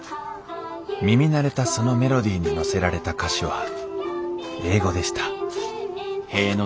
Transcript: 耳慣れたそのメロディーに乗せられた歌詞は英語でした・